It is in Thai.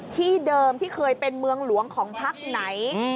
ที่เดิมที่เคยเป็นเมืองหลวงของพักไหน